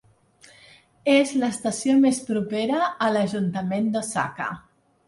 És l'estació més propera a l'Ajuntament d'Osaka.